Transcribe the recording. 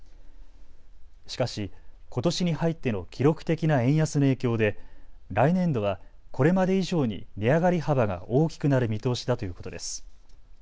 しかし、ことしに入っての記録的な円安の影響で来年度はこれまで以上に値上がり幅が大きくなる見通しだということです。